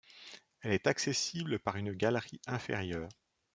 Elle est accessible par une galerie inférieure.